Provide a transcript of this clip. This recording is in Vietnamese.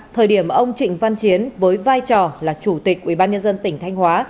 thời điểm ông trịnh văn chiến với vai trò là chủ tịch ubnd tỉnh thanh hóa